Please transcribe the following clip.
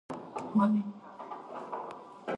وخت زموږ لپاره ارزښت نهلري.